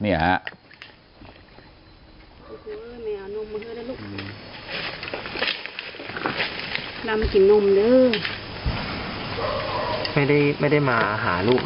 เนี่ยค่ะตอนที่คุณพ่อคุณแม่จุดทูป